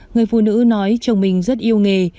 người phụ nữ nói chồng minh rất yêu nghề